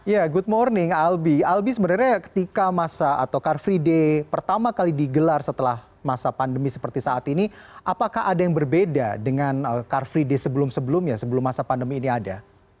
ya good morning albi albi sebenarnya ketika masa atau car free day pertama kali digelar setelah masa pandemi seperti saat ini apakah ada yang berbeda dengan car free day sebelum sebelumnya sebelum masa pandemi ini ada